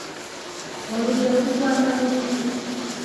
Olugero lukwata ku ki?